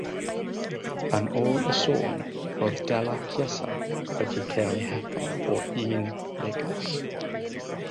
Yn ôl y sôn, roedd Della Chiesa wedi cael ei hethol o un bleidlais.